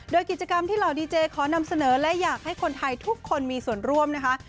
โดยกิจกรรมที่เหล่าดีเจขอนำเสนอและอยากให้คนไทยทุกคนมีส่วนร่วมนะคะ